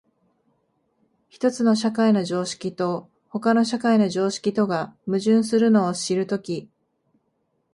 一つの社会の常識と他の社会の常識とが矛盾するのを知るとき、